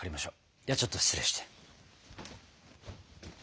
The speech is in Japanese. ではちょっと失礼して。